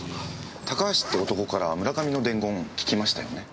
高橋って男から村上の伝言聞きましたよね？